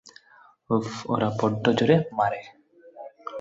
উফ, ওরা বড্ড জোরে মারে।